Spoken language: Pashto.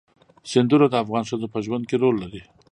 سیندونه د افغان ښځو په ژوند کې رول لري.